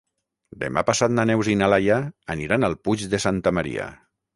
Demà passat na Neus i na Laia aniran al Puig de Santa Maria.